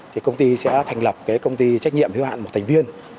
thì công ty sẽ thành lập công ty trách nhiệm hiếu hạn một thành viên